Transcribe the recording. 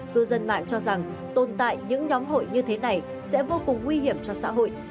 cư dân mạng cho rằng tồn tại những nhóm hội như thế này sẽ vô cùng nguy hiểm cho xã hội